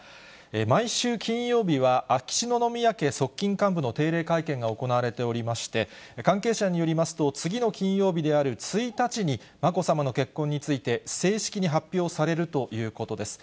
毎週金曜日は、秋篠宮家側近幹部の定例会見がおこなわれておりまして関係者によりますと、次の金曜日である１日に、まこさまの結婚について、正式に発表されるということです。